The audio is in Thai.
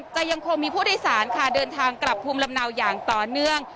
ยังคงมีผู้โดยสารค่ะเดินทางกลับภูมิลำเนาอย่างต่อเนื่อง